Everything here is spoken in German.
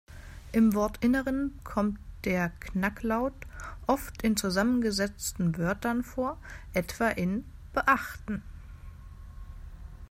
Im Wortinneren kommt der Knacklaut oft in zusammengesetzten Wörtern vor, etwa in "beachten".